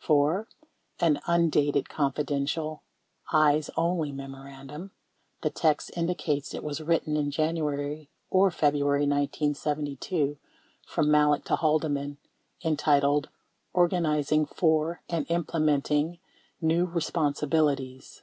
28 4. An undated "Confidential Eyes Only" memorandum (the text indicates it was written in January or February 1972) from Malek to Haldeman entitled "Organizing For And Implementing New Eespon sibilities."